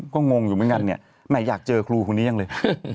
ก็งงอยู่ไม่งั้นอยากเจอครูครูนี้ยังเลย